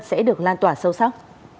sẽ được lan tỏa sâu sắc